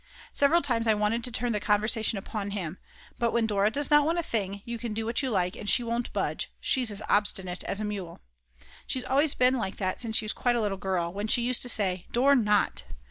Several times I wanted to turn the conversation upon him. But when Dora does not want a thing, you can do what you like and she won't budge; she's as obstinate as a mule! She's always been like that since she was quite a little girl, when she used to say: Dor not!